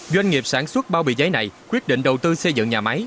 doanh nghiệp sản xuất bao bì giấy này quyết định đầu tư xây dựng nhà máy